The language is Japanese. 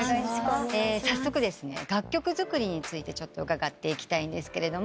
早速楽曲作りについて伺っていきたいんですけど。